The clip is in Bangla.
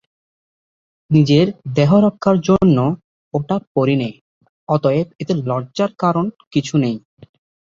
নিজের দেহরক্ষার জন্যে ওটা পড়ি নে, অতএব এতে লজ্জার কারণ কিছু নেই।